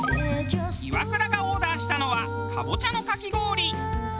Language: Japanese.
イワクラがオーダーしたのはカボチャのかき氷。